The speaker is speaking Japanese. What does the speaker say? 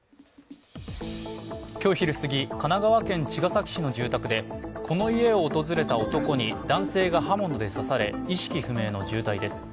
今日昼すぎ、神奈川県茅ヶ崎市の住宅でこの家を訪れた男に男性が刃物で刺され意識不明の重体です。